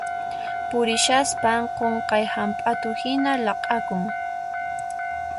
Purishaspan qunqay hamp'atu hina laq'akun.